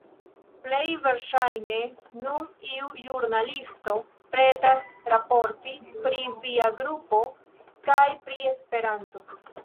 Plej verŝajne nun iu ĵurnalisto pretas raporti pri via grupo kaj pri Esperanto.